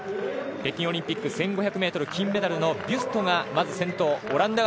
北京オリンピック１５００ｍ金メダルのビュストがまず先頭。